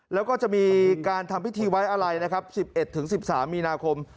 แล้วก็จะมีการทำพิธีไว้อะไรนะครับ๑๑๑๑๓มีนาคม